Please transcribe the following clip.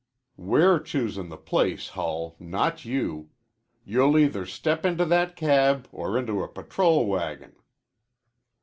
"We're choosin' the place, Hull, not you. You'll either step into that cab or into a patrol wagon."